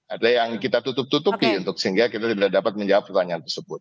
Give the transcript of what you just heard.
ada yang kita tutup tutupi sehingga kita tidak dapat menjawab pertanyaan tersebut